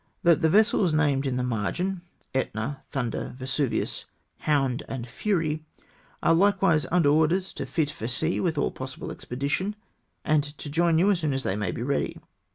" That the vessels named in the margin {Etna, Thunder, Vesuvius, Hound, and Fury), are likewise under orders to fit for sea with all possible expedition, and to join you as soon as they may be ready.